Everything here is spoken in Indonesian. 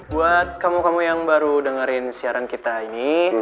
buat kamu kamu yang baru dengerin siaran kita ini